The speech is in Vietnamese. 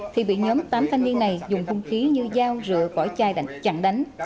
khi bị nhóm tám thanh niên này dùng vung khí như dao rửa vỏ chai chặn đánh